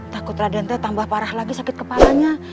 takut radente tambah parah lagi sakit kepalanya